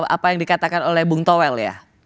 apa yang dikatakan oleh bung toel ya